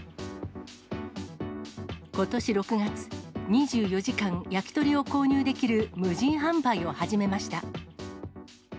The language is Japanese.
ことし６月、２４時間焼き鳥を購入できる無人販売を始めました。